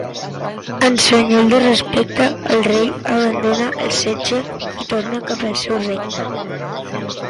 En senyal de respecte, el rei abandonà el setge i tornà cap al seu regne.